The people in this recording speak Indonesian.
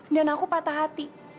dan aku patah hati